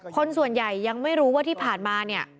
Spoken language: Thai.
คนส่วนใหญ่ยังไม่รู้ว่าที่ผ่านมาเนี่ย